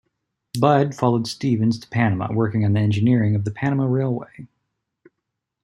Budd followed Stevens to Panama, working on the engineering of the Panama Railway.